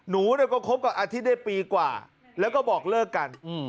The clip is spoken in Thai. ทุ่มสู้